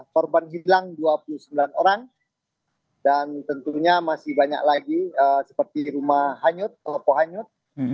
korban hilang dua puluh sembilan orang dan tentunya masih banyak lagi seperti rumah hanyut toko hanyut